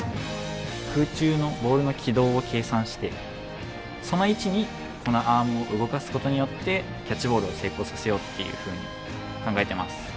空中のボールの軌道を計算してその位置にこのアームを動かすことによってキャッチボールを成功させようっていうふうに考えてます。